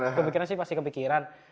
tapi kepikiran sih pasti kepikiran